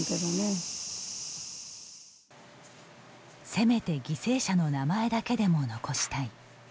「せめて犠牲者の名前だけでも残したい」。